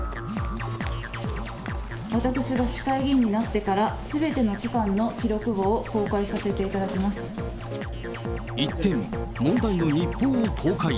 私が市会議員になってからすべての期間の記録簿を公開させて一転、問題の日報を公開。